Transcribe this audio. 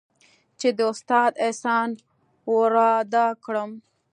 چې د استاد احسان ورادا کړم.